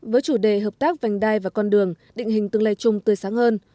với chủ đề hợp tác vành đai và con đường định hình tương lai chung tươi sáng hơn